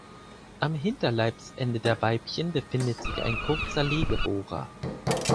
Am Hinterleibsende der Weibchen befindet sich ein kurzer Legebohrer.